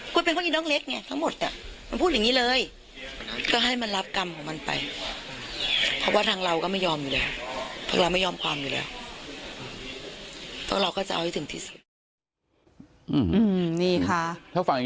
มันเป็นพวกนี้น้องเล็กไงทั้งหมดมันพูดอย่างนี้เลย